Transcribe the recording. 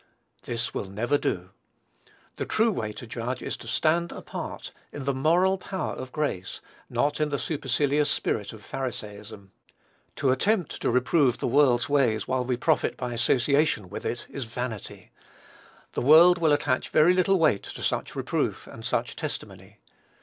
This will never do. The true way to judge is to stand apart, in the moral power of grace, not in the supercilious spirit of Pharisaism. To attempt to reprove the world's ways while we profit by association with it, is vanity; the world will attach very little weight to such reproof and such testimony.